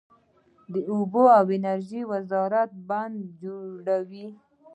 د اوبو او انرژۍ وزارت بندونه جوړوي؟